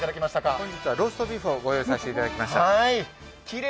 本日はローストビーフをご用意いたしました。